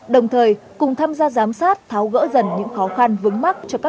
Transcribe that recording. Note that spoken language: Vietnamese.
đồng thời cùng tham gia giám sát tháo gỡ dần những khó khăn vững mắc